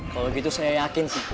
kalau gitu saya yakin sih